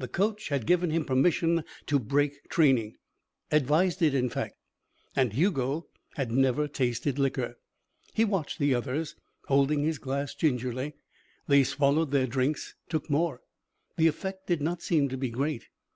The coach had given him permission to break training advised it, in fact. And Hugo had never tasted liquor. He watched the others, holding his glass gingerly. They swallowed their drinks, took more. The effect did not seem to be great.